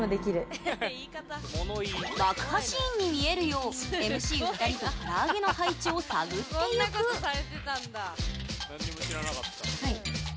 爆破シーンに見えるようＭＣ２人と唐揚げの配置を探ってゆくはい。